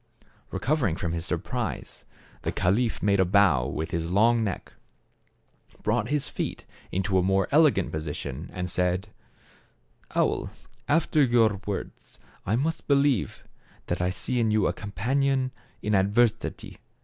Recovering from his sur prise, the caliph made a bow with his long neck, brought his feet into a more ele gant position, and said : "Owl, after your words, I must believe that I see in you a companion in adversity.